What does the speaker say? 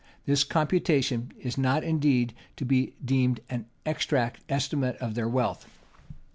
[] This computation is not indeed to be deemed an exact estimate of their wealth.